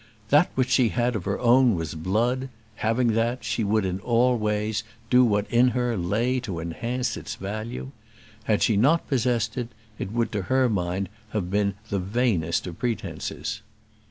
That which she had of her own was blood; having that, she would in all ways do what in her lay to enhance its value. Had she not possessed it, it would to her mind have been the vainest of pretences.